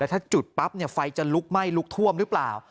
ถ้าจุดปั๊บไฟจะลุกไหม้ลุกท่วมหรือเปล่า